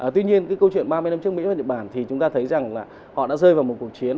tuy nhiên câu chuyện ba mươi năm trước giữa mỹ và nhật bản thì chúng ta thấy rằng họ đã rơi vào một cuộc chiến